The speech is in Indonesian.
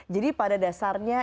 jadi pada dasarnya